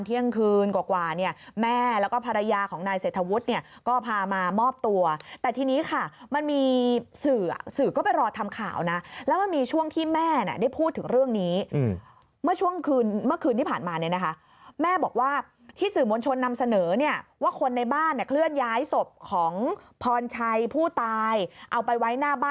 เดี๋ยวรอให้ลูกป้ามามอบตัวนะแน่นอนเออดังนั้นดีกว่าโอเคครับ